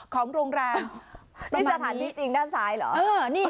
ของโรงแรมนี่สถานที่จริงด้านซ้ายเหรอ